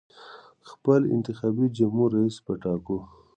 خپل انتخابي جمهور رییس به ټاکو.